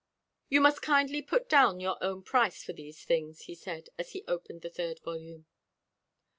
"You must kindly put down your own price for these things," he said, as he opened the third volume.